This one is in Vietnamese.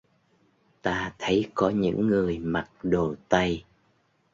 Ta thấy có những người mặc đồ tây